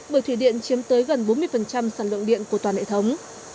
bởi thủy điện chiếm tới gần bốn mươi sản lượng điện của toàn hệ thống